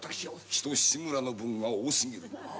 ちと志村の分が多過ぎる。